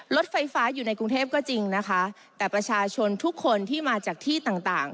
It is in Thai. รถไฟฟ้าอยู่ในกรุงเทพก็จริงนะคะแต่ประชาชนทุกคนที่มาจากที่ต่างต่าง